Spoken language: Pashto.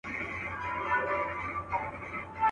زه لا اوس روانېدمه د توپان استازی راغی.